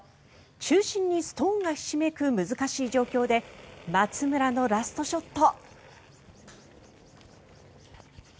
中心にストーンがひしめく難しい状況で松村のラストショット。